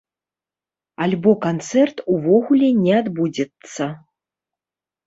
Альбо канцэрт увогуле не адбудзецца.